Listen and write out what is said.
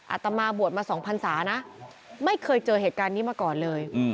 อาตมาบวชมา๒พันศานะไม่เคยเจอเหตุการณ์นี้มาก่อนเลย